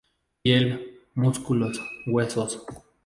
Piel, músculos, huesos.